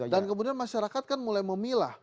dan kemudian masyarakat kan mulai memilah